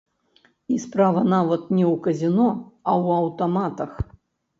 І справа нават не ў казіно, а ў аўтаматах.